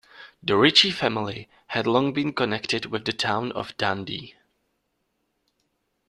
The Ritchie family had long been connected with the town of Dundee.